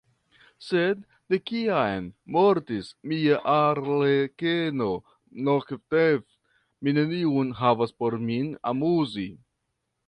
Sed de kiam mortis mia arlekeno Nogtev, mi neniun havas por min amuzi.